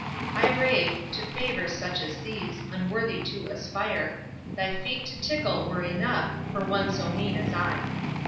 I rave,—to favours such as these Unworthy to aspire; Thy feet to tickle were enough For one so mean as I.